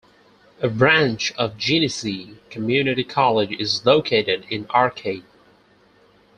A branch of Genesee Community College is located in Arcade.